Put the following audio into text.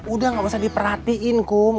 udah gak usah diperhatiin kok